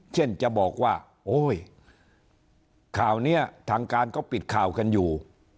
เช่นจะบอกว่าโอ๊ยข่าวนี้ทางการก็ปิดข่าวกันอยู่